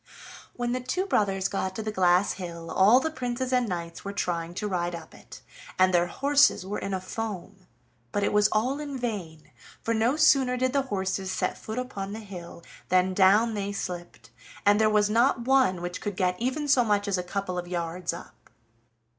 When the two brothers got to the glass hill, all the princes and knights were trying to ride up it, and their horses were in a foam; but it was all in vain, for no sooner did the horses set foot upon the hill than down they slipped, and there was not one which could get even so much as a couple of yards up.